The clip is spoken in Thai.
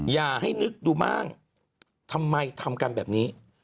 อย่าให้นึกดูมั่งทำไมทำกันแบบนี้